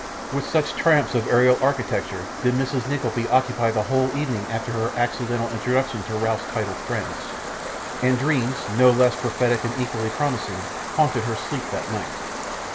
With such triumphs of aerial architecture did Mrs. Nickleby occupy the whole evening after her accidental introduction to Ralph's titled friends; and dreams, no less prophetic and equally promising, haunted her sleep that night.